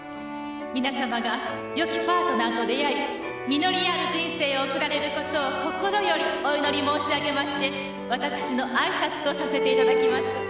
「皆様がよきパートナーと出会い実りある人生を送られることを心よりお祈り申し上げまして私の挨拶とさせていただきます」